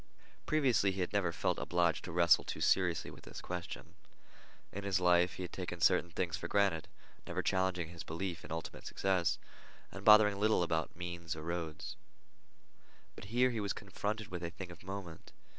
Previously he had never felt obliged to wrestle too seriously with this question. In his life he had taken certain things for granted, never challenging his belief in ultimate success, and bothering little about means and roads. But here he was confronted with a thing of moment.